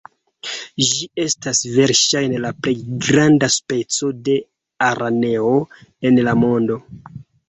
Ĝi estas verŝajne la plej granda speco de araneo en la mondo.